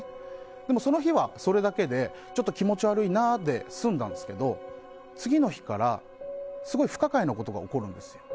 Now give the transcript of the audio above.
でも、その日はそれだけでちょっと気持ち悪いなで済んだんですけど次の日から、すごい不可解なことが起こるんです。